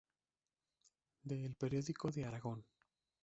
De El Periódico de Aragón